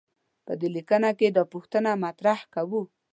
په دې لیکنه کې دا پوښتنه مطرح کوو.